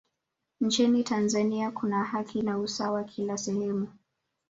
nchini tanzania kuna haki na usawa kila sehemu